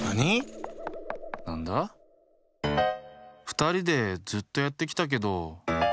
ふたりでずっとやってきたけど。